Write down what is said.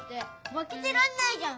まけてらんないじゃん。